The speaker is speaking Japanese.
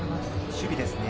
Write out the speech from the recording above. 守備ですね。